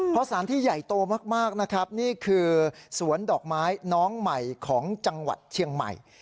เพราะสารที่ใหญ่โตมากนะครับนี่คือสวนดอกไม้น้องใหม่ของจังหวัดเชียงใหม่